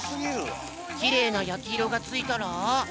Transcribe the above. きれいなやきいろがついたら。